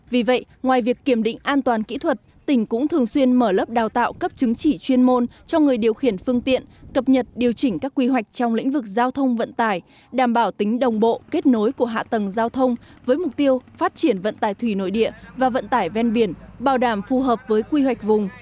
vì vậy ngoài việc kiểm định an toàn kỹ thuật tỉnh cũng thường xuyên mở lớp đào tạo cấp chứng chỉ chuyên môn cho người điều khiển phương tiện cập nhật điều chỉnh các quy hoạch trong lĩnh vực giao thông vận tải đảm bảo tính đồng bộ kết nối của hạ tầng giao thông với mục tiêu phát triển vận tải thủy nội địa và vận tải ven biển bảo đảm phù hợp với quy hoạch vùng